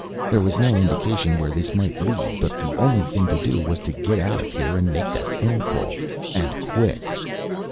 There was no indication where this might lead, but the only thing to do was to get out of here and make that phone call. And quick.